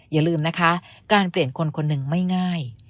อย่าลืมนะคะการเปลี่ยนคนคนหนึ่งไม่ง่าย